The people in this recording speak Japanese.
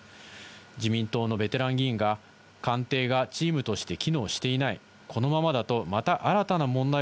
自民党のベテラン議員が、官邸がチームとして機能していない、このままだとまた新たな問題